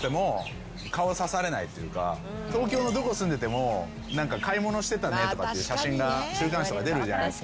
東京のどこ住んでても買い物してたねとかっていう写真が週刊誌とか出るじゃないですか。